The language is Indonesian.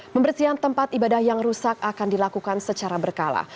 pembersihan tempat ibadah yang rusak akan dilakukan secara berkala